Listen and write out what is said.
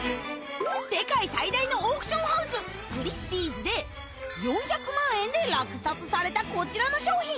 世界最大のオークションハウスクリスティーズで４００万円で落札されたこちらの商品